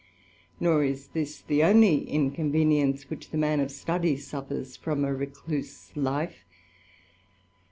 Nor is this the only inconvenience which the man of tudy suffers from a recluse life.